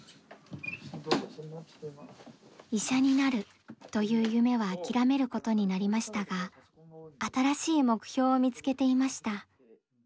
医者になるという夢は諦めることになりましたが新しい目標を見つけていました。